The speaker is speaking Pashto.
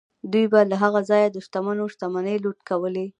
دوی به له هغه ځایه د شتمنو شتمنۍ لوټ کولې.